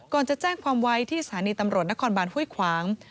จะแจ้งความไว้ที่สถานีตำรวจนครบานห้วยขวาง